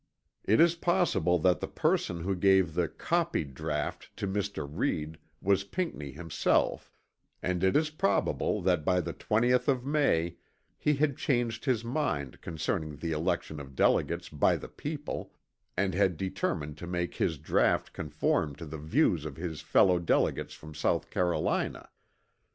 It is possible that the person who gave the "copied draught" to Mr. Read was Pinckney himself; and it is probable that by the 20th of May he had changed his mind concerning the election of delegates by the people and had determined to make his draught conform to the views of his fellow delegates from South Carolina.